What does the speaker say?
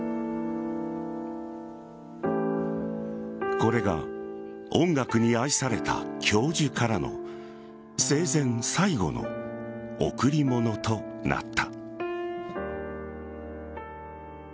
これが音楽に愛された教授からの生前最後の贈り物となった。